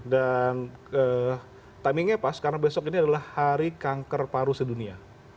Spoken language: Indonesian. dan timingnya pas karena besok ini adalah hari kanker paru sedunia